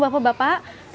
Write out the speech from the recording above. harap tenang bapak bapak